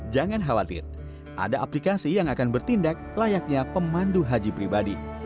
jangan khawatir ada aplikasi yang akan bertindak layaknya pemandu haji pribadi